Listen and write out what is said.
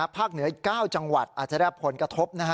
เหนืออีก๙จังหวัดอาจจะได้รับผลกระทบ